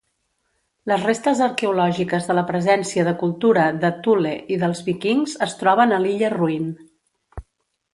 Les restes arqueològiques de la presència de la cultura de Thule i dels vikings es troben a l'illa Ruin.